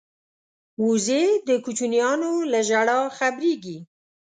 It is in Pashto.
وزې د کوچنیانو له ژړا خبریږي